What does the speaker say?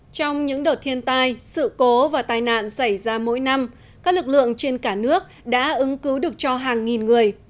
trong những đợt thiên tai sự cố và tai nạn xảy ra mỗi năm các lực lượng trên cả nước đã ứng cứu được cho hàng nghìn người